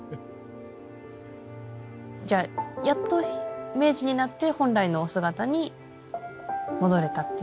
じゃあやっと明治になって本来のお姿に戻れたっていう。